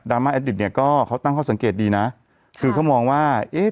มาแอดดิบเนี่ยก็เขาตั้งข้อสังเกตดีนะคือเขามองว่าเอ๊ะ